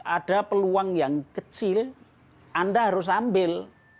ada peluang yang kecil anda harus ambil